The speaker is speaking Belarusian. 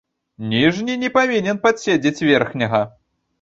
Ніжні не павінен падседзець верхняга.